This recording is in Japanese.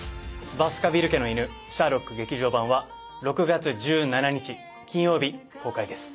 『バスカヴィル家の犬シャーロック劇場版』は６月１７日金曜日公開です。